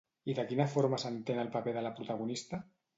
I de quina forma s'entén el paper de la protagonista?